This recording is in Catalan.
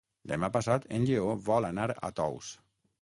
Demà passat en Lleó vol anar a Tous.